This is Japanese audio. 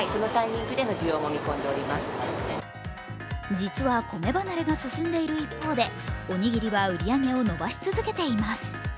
実は米離れが進んでいる一方でおにぎりは売り上げを伸ばし続けています。